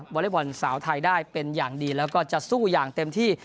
อเล็กบอลสาวไทยได้เป็นอย่างดีแล้วก็จะสู้อย่างเต็มที่